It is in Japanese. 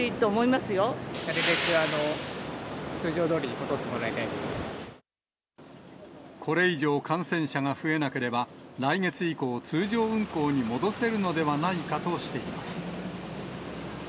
なるべく通常どおりに戻ってこれ以上感染者が増えなければ、来月以降、通常運行に戻せるのではないかとしています。